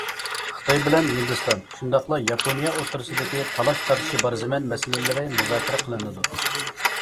خىتاي بىلەن ھىندىستان شۇنداقلا ياپونىيە ئوتتۇرىسىدىكى تالاش- تارتىشى بار زېمىن مەسىلىلىرى مۇزاكىرە قىلىنىدۇ.